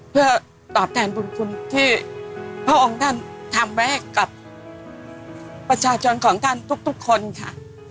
เพื่อตอบแทนบุญคุณที่พระองค์ท่านทำไว้ให้กับประชาชนของท่านทุกคนค่ะ